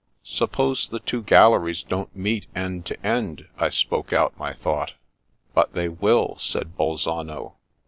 " Suppose the two galleries don't meet end to end ?" I spoke out my thought. " But they will," said Bolzano.